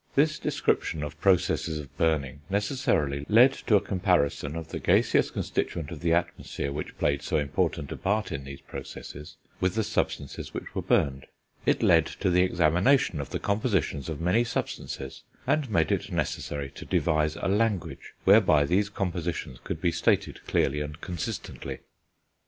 This description of processes of burning necessarily led to a comparison of the gaseous constituent of the atmosphere which played so important a part in these processes, with the substances which were burned; it led to the examination of the compositions of many substances, and made it necessary to devise a language whereby these compositions could be stated clearly and consistently.